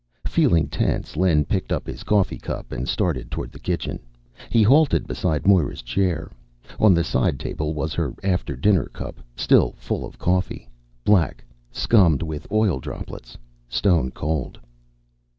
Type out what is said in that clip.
Feeling tense, Len picked up his coffee cup and started toward the kitchen. He halted beside Moira's chair. On the side table was her after dinner cup, still full of coffee ... black, scummed with oil droplets, stone cold.